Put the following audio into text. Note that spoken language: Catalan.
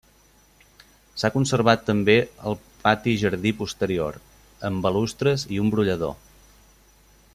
S'ha conservat també el pati-jardí posterior, amb balustres i un brollador.